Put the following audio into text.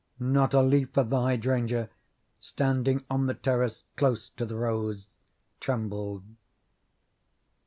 Not a leaf of the hydrangea standing on the terrace close to the rose trembled.